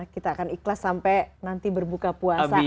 kita akan ikhlas sampai nanti berbuka puasa